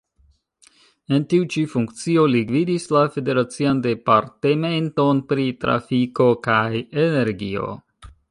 En tiu-ĉi funkcio li gvidis la Federacian Departementon pri Trafiko kaj Energio.